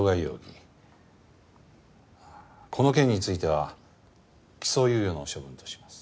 この件については起訴猶予の処分とします。